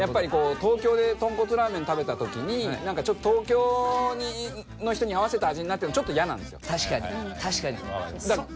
東京で豚骨ラーメン食べたときに東京の人に合わせた味になってるのちょっとイヤなんですよ。